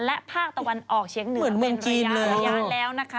และภาคตะวันออกเฉียงเหนือเป็นระยะแล้วนะคะ